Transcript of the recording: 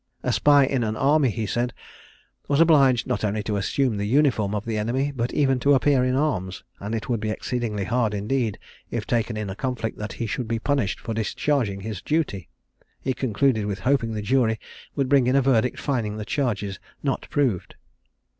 A spy in an army, he said, was obliged not only to assume the uniform of the enemy, but even to appear in arms; and it would be exceedingly hard indeed, if taken in a conflict, that he should be punished for discharging his duty. He concluded with hoping the jury would bring in a verdict finding the charges not proved.